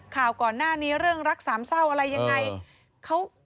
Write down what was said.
ข่าวก่อนหน้านี้เรื่องรักสามเศร้าอะไรยังไง